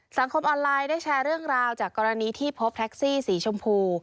สังคมออนไลน์ได้แชร์เรื่องราวจากกรณีที่พบแท็กซี่สีชมพู